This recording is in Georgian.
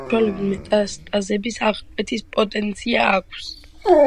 ამ საშუალებებს მეტასტაზების აღკვეთის პოტენცია აქვს.